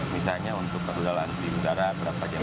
misalnya untuk rudal di udara berapa jangkau